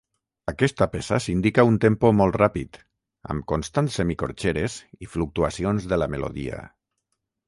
Aquesta peça s'indica un tempo molt ràpid, amb constants semicorxeres i fluctuacions de la melodia.